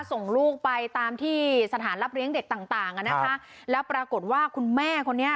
ส่งลูกไปตามที่สถานรับเลี้ยงเด็กต่างต่างอ่ะนะคะแล้วปรากฏว่าคุณแม่คนนี้